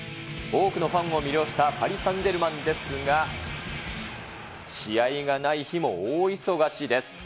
多くのファンを魅了したパリ・サンジェルマンですが、試合がない日も大忙しです。